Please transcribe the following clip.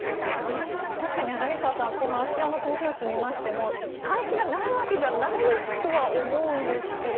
確かに柳澤さんこの芦屋の投票率を見ましても関心がないわけじゃないと思うんですけれども。